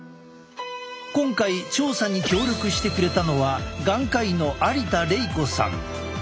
今回調査に協力してくれたのは眼科医の有田玲子さん。